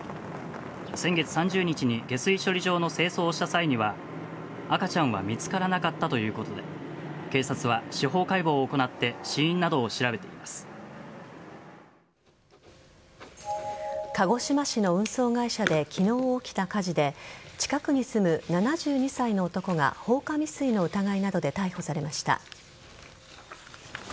先月３０日に下水処理場の清掃をした際には赤ちゃんは見つからなかったということで警察は司法解剖を行って鹿児島市の運送会社で昨日起きた火事で近くに住む７２歳の男が放火未遂の疑いなどで逮捕されました。